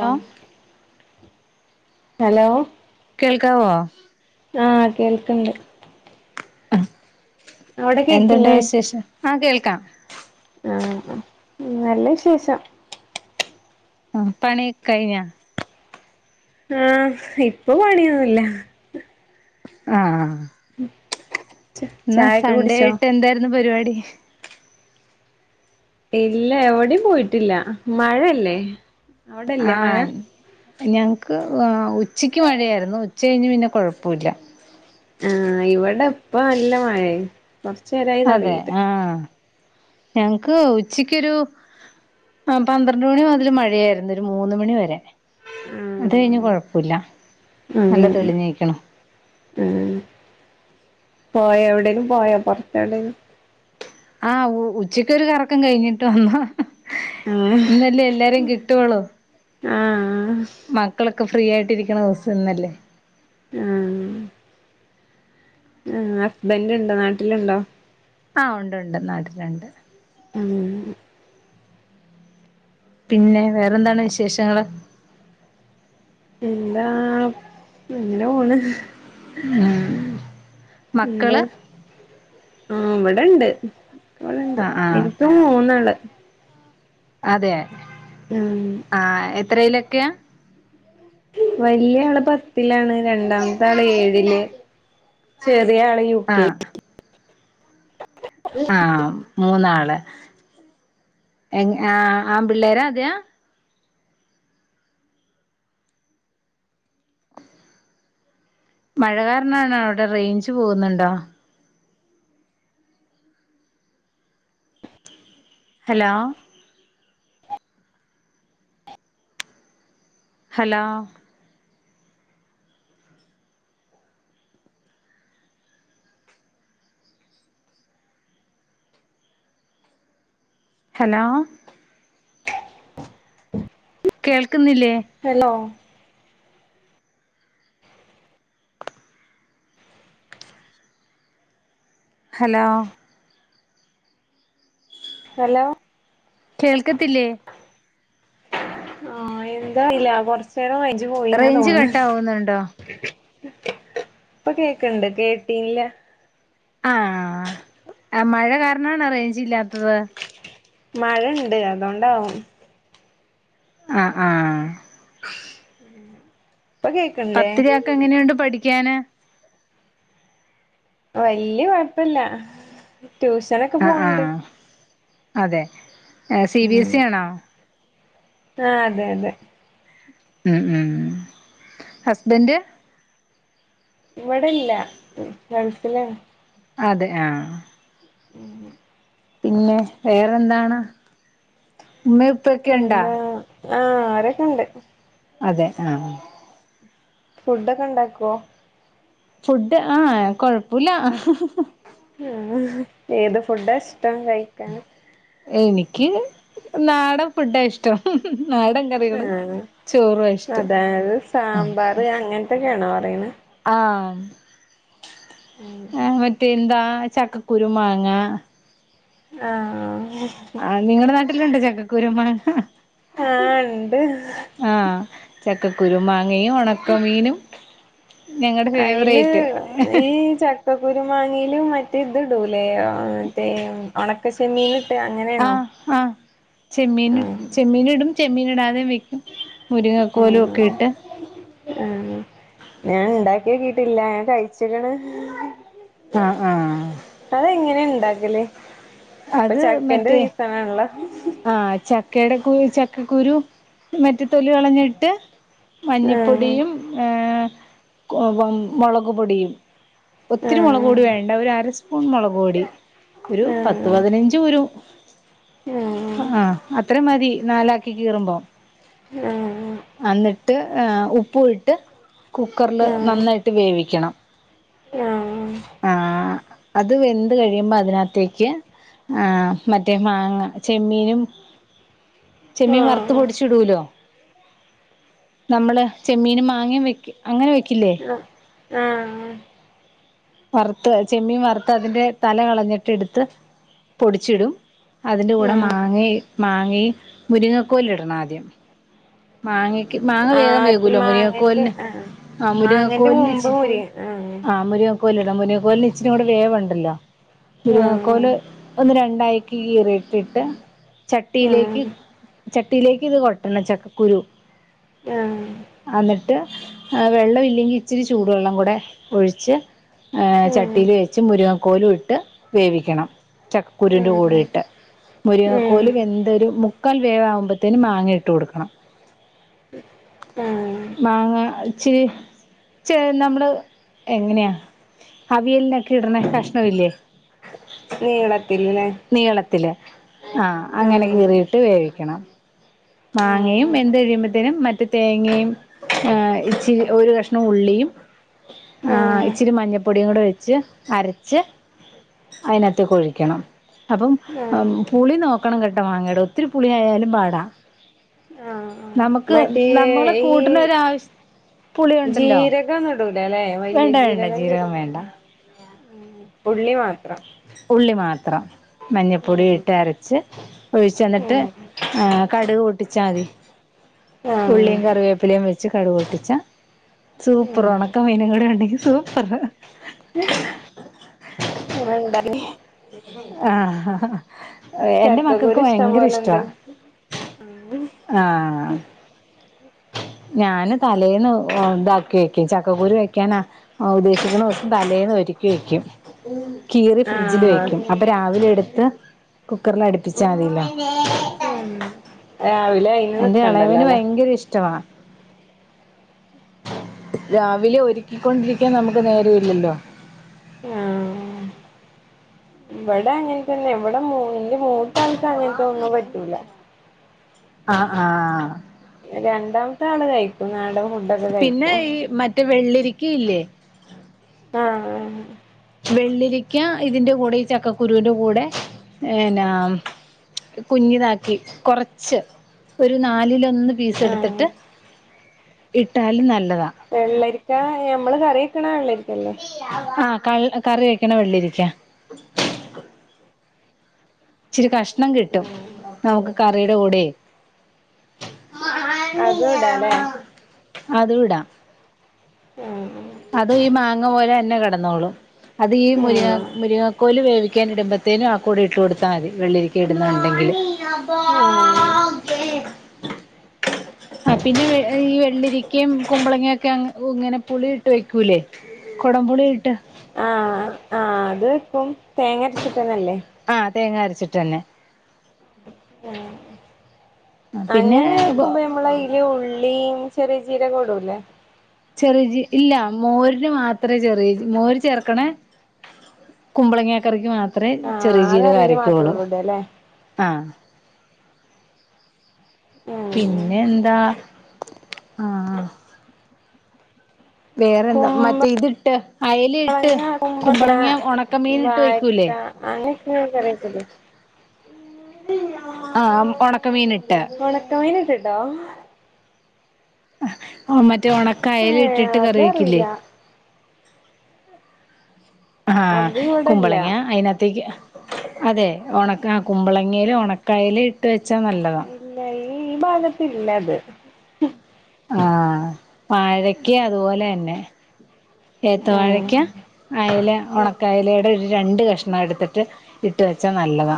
Hello ആഹ് hello. കേൾക്കാവോ? ആഹ് കേൾക്ക്ണ്ട്. അവിടെ എന്തുണ്ട് കേക്കില്ലേ വിശേഷം ആഹ് കേൾക്കാം. ആണോ നല്ല വിശേഷം. ആഹ് പണി ഒക്കെ കയിഞ്ഞാ? ആഹ് ഇപ്പം പണിഒന്നുല്ല. ആഹ് ഉം. ഇന്ന് സൺഡേ ആയിട്ട് എന്തായിരുന്നു പരിപാടി ഇല്ല എവിടിം പോയിട്ടില്ല മഴയല്ലേ ആ അവിടെല്ലേ മഴ ഞങ്ങൾക്ക് ഉച്ചയ്ക്ക് മഴയായിരുന്നു ഉച്ച കഴിഞ്ഞ് പിന്നെ കുഴപ്പമില്ല ആഹ് ഇവിടെ ഇപ്പം നല്ല മഴെ കൊർച്ചേരായി അതെ ആഹ് ഞങ്ങക്ക് ഉച്ചക്കൊരു ആഹ് പന്ത്രണ്ട് മണി മുതൽ മഴയായിരുന്നു ഒരു മൂന്ന് മണി വരെ അത് കഴിഞ്ഞാ ആഹ് കൊഴപ്പുല്ല ഉം നല്ല തെളിഞ്ഞ് നിക്ക്ണു ഉം പോയ എവിടേലും പോയൊ പൊറത്തെവിടേലും ആഹ് ഉച്ചക്കൊരു കറക്കം കഴിഞ്ഞിട്ട് വന്നാ ഏഹ് ഇന്നല്ലേ എല്ലാരേം കിട്ടൊളൂ ആഹ് മക്കളൊക്കെ ഫ്രീ ആയിട്ട് ഇരിക്കുന്ന ദിവസം ഇന്നല്ലേ ആഹ് ആഹ് ഹസ്ബന്റ്ണ്ടോ നാട്ടില്ണ്ടോ ആഹ് ഉണ്ട് ഉണ്ട് നാട്ടിലുണ്ട് ഉം പിന്നെ വേറെന്താണ് വിശേഷങ്ങള് എന്താ ഇങ്ങനെ പോണ് മക്കള് ആഹ് ഇവിടെണ്ട് ഇവിടെണ്ട് ആഹ് ആഹ് ഇന്ക്ക് മൂന്നാള് അതെ ഉം ആഹ് എത്രേലൊക്കെയാ വല്ല്യാള് പത്തിലാണ് രണ്ടാമത്താള് ഏഴില് ചെറിയാള് ആഹ് ആഹ മൂന്നാള് എങ്ങ ആഹ് ആമ്പിള്ളേരാ അതെയാ [inaudible] മഴ കാരണാണോ അവിടെ റേഞ്ച് പോകുന്നുണ്ടോ ഹലോ ഹലോ ഹലോ കേൾക്കുന്നില്ലേ ഹലോ ഹലോ ഹലോ കേൾക്കത്തില്ലേ ആഹ് എന്താ അറീല കൊറചെരം റൈഞ്ച് ഇജ്ജ് പോയിന്നാ റേഞ്ച് തോന്നെ കട്ടാവുന്നുണ്ടോ ഇപ്പൊ കേക്കണ്ട് കേട്ടീല്ല ആഹ് മഴ കാരണാണ അറേഞ്ച് ഇല്ലാത്തത് മഴ ഉണ്ട് അതൊണ്ടാവും അ ആഹ് [unintelligible] പത്തിലൊക്കെ എങ്ങനെയുണ്ട് പഠിക്കാന് വല്യ കുഴപ്പില്ല ട്യൂഷന അ ആഹ് അതെ സി ബി എസ് ഇ ആണോ ആഹ് അതെ അതെ ഉം ഉം ഹസ്ബൻഡ് ഇവിടെല്ല ഗൾഫിലാണ് അതെ ആഹ് പിന്നെ വേറെന്താണ് ഉമ്മയ് പിന്നാ ആഹ് ആരൊക്കെണ്ട് അതെ ആഹ് ഫുഡോക്കെ ഉണ്ടാക്കുവോ ഫുഡ് ആഹ് കൊഴപ്പുല്ല ഉം ഏത് ഫുഡാ ഇഷ്ടം കഴിക്കാൻ എനിക്ക് നാടൻ ഫുഡാ ഇഷ്ടം നാടൻ കറികള് ചോറുവാ ഇഷ്ടം പാരസ് സാമ്പാറ് അങ്ങനത്തൊക്കെയാണോ പറയുന്നെ ആഹ് ആ മറ്റേ എന്താ ചക്കക്കരു മാങ്ങ ആഹ് ആഹ് നിങ്ങടെ നാട്ടിലുണ്ട് ചക്കക്കുരുമ്മ ആഹ് ഉണ്ട് ആഹ് ചക്കക്കുരു മാങ്ങയും ഉണക്ക മീനും ഞങ്ങടെ ഫേവറേറ്റ് ചക്ക കുരു മാങ്ങലും മറ്റേ ഇത് ഇടൂല്ലേ ആഹ് തെ ഒണക്ക ചെമ്മീന് ആഹ് ആഹ് ചെമ്മീന് ആഹ് ചെമ്മീന് ഇടും ചെമ്മീന് ഇടാതെ വെക്കും മുരിങ്ങക്കോലും ഒക്കെ ഇട്ട് ഉം ഞാൻ ഉണ്ടാക്കി നോക്കിട്ടില്ല ഞൻ കഴിച്ചിക്ക്ണ് ആഹ് ആഹ് അതെങ്ങനെ ഇണ്ടാക്കല് ഇപ്പൊ അത് ചക്കന്റെ മറ്റേ സീസണാണല്ലൊ. ആഹ് ചക്കയുടെ കു ചക്കക്കുരു. ഇന്നട്ട് തൊലി കളഞ്ഞിട്ട്. ആഹ് മഞ്ഞപ്പൊടിയും ഏഹ് മൊളക്പൊടിയും. ഒത്തിരി മൊളക് ആഹ് പൊടി വേണ്ട. ഒരു അരസ്പൂൺ മൊളക് പൊടി. ഒരു പത്ത് ആഹ് പതിനഞ്ച് കുരു. ആഹ് ആ അത്ര മതി നാലാക്കി കീറുമ്പം. ആഹ് ആഹ് ആഹ് അന്നിട്ട് ഉപ്പ് ഇട്ട്. കുക്കറ്ല് ആഹ് നന്നായിട്ട് വേവിക്കണം. ആ അത് വെന്ത് കഴിയുമ്പം അതിനകത്തേക്ക്. ആ മറ്റെ മാങ്ങ ചെമ്മീനും. ചെമ്മീൻ വറുത്ത് ആഹ് പൊടിച്ച് ഇടൂലൊ. നമ്മള് ചെമ്മീനും മാങ്ങയും വെക്ക അങ്ങനെ വെക്കില്ലേ. ആഹ് വറുത്ത് ചെമ്മീൻ വറുത്ത് അതിന്റെ തല കളഞ്ഞിട്ട് ഇട്ത്ത് പൊടിച്ചിടും. അതിൻ്റെ കൂടെ ആഹ് മാങ്ങെയ് മാങ്ങി മുരിങ്ങക്കോല് ഇടണം ആദ്യം. മാങ്ങക്ക് മാങ്ങ വേഗം അത് വേകോലൊ. മാങ്ങന്റെ മുരിങ്ങക്കോലിന്. ആഹ് ആ മുരിങ്ങ മാങ്ങന്റെ മുമ്പ് കോലിനിച്ച് മുരി ആഹ് ആ മുരി കോല് ഇട. മുരിങ്ങക്കോലിന് ഇച്ചിരിങ്ങട്ട് വേവ് ഉണ്ടല്ലോ. ആഹ് മുരിക്കോല് ഒന്ന് രണ്ടായി കീറി ഇട്ടിട്ട് ചട്ടിയിലേക്ക് ആഹ് ചട്ടിയിലേക്ക് ഇത് കൊട്ടണം. ചക്ക കുരു. ആഹ് അ ഇന്നട്ട് വെള്ളം ഇല്ലെങ്കി ഇച്ചിരി ചൂടുവെള്ളം കൂടെ ഒഴിച്ച്. ഏഹ് ആഹ് ആഹ് ചട്ടീല് വെച്ച് മുരങ്ങക്കോലും ഇട്ട് വേവിക്കണം. ചക്കക്കുരുൻ്റെ കൂടെ ഇട്ട്. ഉം മുരിങ്ങക്കോലും എന്തൊരു മുക്കാൽ വേവാകുമ്പത്തേനും മാങ്ങ ഇട്ട് കൊടുക്കണം ആഹ് മാങ്ങ ഇച്ചി ച നമ്മള് എങ്ങന്യെ. അവിയലിന് ഒക്കെ ഇട്ണ കഷ്ണ ഇല്ലേ. നീളത്തില് ലെ. നീളത്തില്. ആ അങ്ങനെ ആഹ് കീറിയിട്ട് വേവിക്കണം. മാങ്ങയും ആഹ് വെന്ത്ഴിയുമ്പോത്തേനും മറ്റ് തേങ്ങയും. ഏ ഇച്ചിരി ഒരു കഷ്ണം ഉള്ളിയും. ആ ആഹ് ഇച്ചിരി മഞ്ഞപ്പൊടിയും കൂടെ വെച്ച് അരച്ച്. അതിനകത്തേക്ക് ഒഴിക്കണം. അപ്പം ആഹ് പുളി നോക്കണം കെട്ടോ മാങ്ങ്യേട. ഒത്തിരി പുളിയായാലും പാടാ. ആഹ് ആ നമുക്ക് മറ്റേ നമ്മള് ഈ കൂട്ടിന് ഒരാവശ്യ പുളിയുണ്ടല്ലോ ജീരകൊന്നും ഇടൂലല്ലെ? വലിയ വേണ്ട വേണ്ട ജീരകം വേണ്ട [unintelligible] ഉള്ളി മാത്രം. ഉള്ളി മാത്രം ഉം മഞ്ഞൾപ്പൊടി ഇട്ട് ഉം അരച്ച്. ഒഴിച്ച. ഇന്നട്ട് ഉം ആ കടുക് പൊട്ടിച്ചാൽ മതി. ആഹ് ഉള്ളിയും കറിവെ അടുപ്പിലും വെച്ച് കടുക് പൊട്ടിച്ച. സൂപ്പറ് ഉം ഒണക്ക മീനും കൂടെ ഉണ്ടെങ്കിൽ സൂപ്പർ. ഇന്നലെ ഇണ്ടായിനി. ആഹ് എന്റെ മക്കൾക്ക് ചക്കക്കുരു ഇഷ്ടം ഭയങ്കര ഇഷ്ടാ. പോലെണ്ട് ആഹ് ഞാന് തലേന്ന് ഉ ഇതാക്കി വെക്കും. ചക്കക്കുരു വെക്കാനാ. ഉദ്ദേശിക്കുന്ന ദിവസം തലേന്ന് ഒരുക്കി വെക്കും. കീറി ഫ്രിഡ്ജ്ല് ആഹ് വെയ്ക്കും അപ്പൊ രാവിലെ എട്ത്ത് കുക്കറിൽ അടുപ്പിച്ചാ മതിയല്ലോ. [unintelligible] രാവ് ലെ എന്റെ എളയവന് ഭയങ്കര ഇഷ്ടമാ രാവിലെ ഒരുക്കിക്കൊണ്ടിരിയ്ക്കാൻ നമുക്ക് നേരം ഇല്ലല്ലോ? ഇവടെ അങ്ങൻത്തന്നേ ഇവടെ മു ഇന്റെ മൂത്ത ആക്ക് അങ്ങൻത്തെ ഒന്നും പറ്റൂല. ആഹ് ആഹ് രണ്ടാമ്ത്തെ ആള് കഴിക്കും. നാട പിന്നെ ഈ മറ്റേ വെള്ളിരിക്ക ഇല്ലേ? ആഹ് ആഹ് വെള്ളിരിക്ക ഇതിന്റെ കൂടെ ഈ ചക്കക്കുരുവിന്റെ കൂടെ എന്നാം കുഞ്ഞിതാക്കി കൊറച്ച് ഒരു നാലിലൊന്ന് ആഹ് പീസെടുത്തിട്ട് ഇട്ടാലും നല്ലതാ. വെള്ളരിക്ക ഞമ്മള് കറി വെക്ക്ണ വെള്ളരിക്കല്ലേ? ആ കൾ കറി വെക്ക്ണ വെള്ളരിക്ക. ഇച്ചിരി കഷ്ണം കിട്ടും നമുക്ക് കറിയുടെ കൂടെയ് അതും ഇടാലേ? അതൂടാം ആഹ് ആഹ് അതും ഈ മാങ്ങ പോലെ തന്നെ കിടന്നോളും അത് ഈ ആ മുരിങ്ങ മുരിങ്ങ കോല് വേവിക്കാൻ ഇടുമ്പത്തേനും ആ കൂടെ ഇട്ടു കൊടുത്താ മതി വെള്ളിരിക്ക ഇടുന്നുണ്ടെങ്കില്. ഏഹ് ആ പിന്നെ ഈ വെള്ളിരിയ്ക്കയും കുമ്പളങ്ങയൊക്കെ അങ്ങ് ഇങ്ങനെ പുളി ഇട്ട് വെയ്ക്കൂലേ? കൊടമ്പുളി ഇട്ട്. ആ ആ അത് വെക്കും തേങ്ങര്ച്ചിട്ടന്നെ അല്ലേ? ആ തേങ്ങ അര്ച്ച്ട്ട് തന്നെ. ആഹ് പിന്നെ അങ്ങനെ വെക്കുമ്പ നമ്മളെയീ ഈ ഉള്ളീം ചെറിയ ജീരകോം ടൂലേ? ചെറിയ ജി ഇല്ല മോരിന് മാത്രേ ചെറിയജി മോര് ചേർക്കണേ കുമ്പളങ്ങാ കറിക്ക് മാത്രേ ആ ചെറിയ ആ ജീരകം കറിയില് മാത്രേ അരക്കുകൊള്ളൂ ഉള്ളൂ ഇടല്ലേ ആ ഉം പിന്നെ എന്താ ആ ആ വേറെന്താ മറ്റേ കുമ്പളങ്ങ ഇതിട്ട് അയ്ല് ഇട്ട് കുമ്പളങ്ങ കുമ്പളങ്ങ്യ ഒണക്കമീന്ട്ട് വെയ്ക്കൂലേ വാഴക്ക അങ്ങനെയൊക്കെ കറി വെക്കൂലേ ആ ഒണക്കമീന്ട്ട് ഒണക്കമീന്ട്ട്ട്ടോ? ഓ മറ്റേ ഒണക്ക അയ്ല ഏ ഇട്ടിട്ട് കറി വെയ്ക്കില്ലേ? അതറിയില്ല അഹാ അത് ഇവിടില്ല കുമ്പളങ്ങ്യ അയ്നക് ത്തേയ്ക്ക് അതെ ഒണക്ക ആ കുമ്പളങ്ങേല് ഒണക്കയില ഇട്ട് വെച്ചാ നല്ലതാ. ഇല്ല ഈ ഭാഗത്തില്ലത്. ആ വാഴക്കീ അതുപോലെ എന്നെ ഏത്ത വാഴക്ക്യാ അയല ഒണക്ക അയിലേടെ ഒരു രണ്ട് കഷ്ണം ഇടുത്തിട്ട് ഇട്ട് വെച്ചാ നല്ലതാ.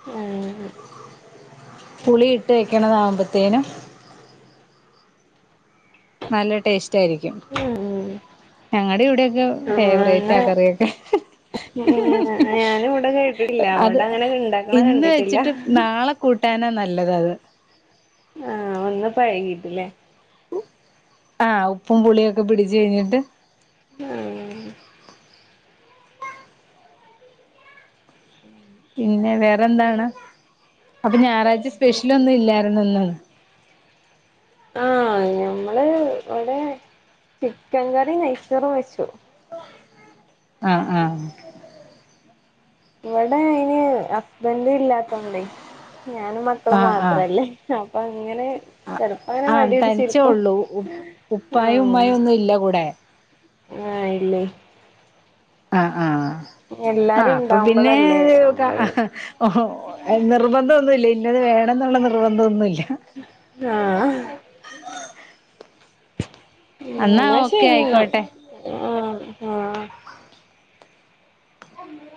[unintelligible] പുളി ഇട്ട് വയ്ക്കണതാവുമ്പത്തേനും നല്ല ടേസ്ട്ടായിരിക്കും. ഞങ്ങടെ ഇവിടെൊക്കെ ഫേവറേറ്റ ആഹ് കറിയൊക്കെ. ഉം ഞാന് ഇവടെ കേട്ടിട്ടില്ല അത് ഇവടങ്ങനെ ഇണ്ടാക്ണ ഇന്ന് കണ്ടിട്ടില്ല. വെച്ചിട്ട് നാളെ കൂട്ടാനാ നല്ലതത്. ആഹ് ഒന്ന് പഴകിട്ല്ലേ. ആഹ് ഉപ്പും പുളിയൊക്കെ പിടിച്ച് കഴിഞ്ഞിട്ട്. ആഹ്. പിന്നെ വേറെന്താണ് അപ്പൊ ഞായറാഴ്ച സ്പെഷ്യലൊന്നും ഇല്ലാരുന്നു ഇന്ന്ന്ന്? ആഹ് ഞമ്മള് ഇവടെ ചിക്കൻ കറി നെയ്ച്ചോറും വെച്ചു. ആഹ് ആഹ്. ഇവടെ അയിന് ഹസ്ബൻട് ഇല്ലാത്തോണ്ടേയ്- ഞാനും മക്കളും ആഹ് ആഹ് മാത്രല്ലേ അപ്പൊ അങ്ങനെ ചെലപ്പ അങനെ ആഹ് തനിച്ചേ മടിപിച്ചിരിക്കും. ഉള്ളൂ ഉപ്പായും ഉമ്മായും ഒന്നും ഇല്ല കൂടെ? ആഹഹ് ഇല്ലേയ്. ആഹ് ആഹ് ആഹ് എല്ലാരും അപ്പൊ ഉണ്ടാവുമ്പോളല്ലേ പിന്നെ- നമ്മള് ഓഹോ നിർബന്തോന്നുഇല്ല ഇന്നത് വേണംന്ന്ള്ള നിർബന്തോന്നുല്ല. ആഹ് ആഹ്- ഉം എന്നാ ഇന്നാ ഓക്കെ ശരി ഇന്നാ ആയിക്കോട്ടെ ആഹ് ആഹ്. [unintelligible]